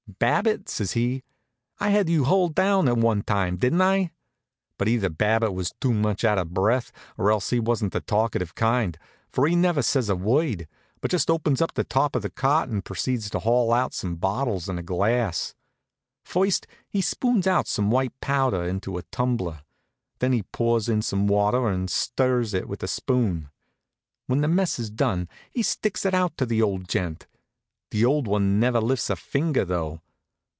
"Babbitt," says he, "I had you hull down at one time, didn't I?" But either Babbitt was too much out of breath, or else he wasn't the talkative kind, for he never says a word, but just opens up the top of the cart and proceeds to haul out some bottles and a glass. First he spoons out some white powder into a tumbler. Then he pours in some water and stirs it with a spoon. When the mess is done he sticks it out to the old gent. The old one never lifts a finger, though.